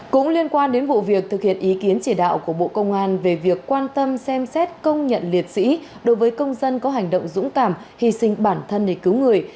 cũng liên quan đến vụ việc thực hiện ý kiến chỉ đạo của bộ công an về việc quan tâm xem xét công nhận liệt sĩ đối với công dân có hành động dũng cảm hy sinh bản thân để cứu người